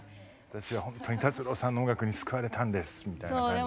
「私は本当に達郎さんの音楽に救われたんです！」みたいな感じで。